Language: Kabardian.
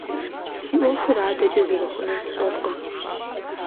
Си Ӏуэхур адэкӀэ зэрыхъунур сщӀэркъым.